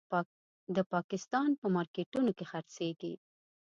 د پاکستان په مارکېټونو کې خرڅېږي.